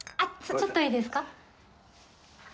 ちょっといいですか？